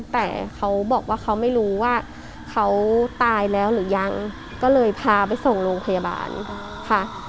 แต่เขาบอกว่าเขาไม่รู้ว่าเขาตายแล้วหรือยังก็เลยพาไปส่งโรงพยาบาลค่ะ